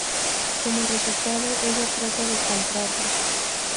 Como resultado, ella trata de comprarlo.